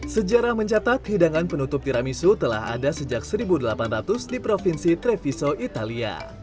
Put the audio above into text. sejarah mencatat hidangan penutup tiramisu telah ada sejak seribu delapan ratus di provinsi treviso italia